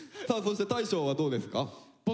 さあそして大昇はどうですか？